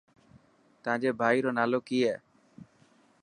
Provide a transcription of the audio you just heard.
تانجي ڀائي رو نالو ڪي هي.